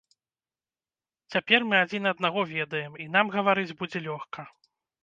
Цяпер мы адзін аднаго ведаем, і нам гаварыць будзе лёгка.